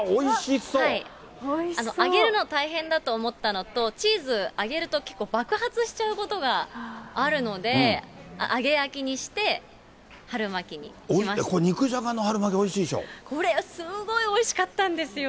揚げるの大変だと思ったのと、チーズ、揚げると結構、爆発しちゃうことがあるので、これ、肉じゃがの春巻き、おこれ、すごいおいしかったんですよ。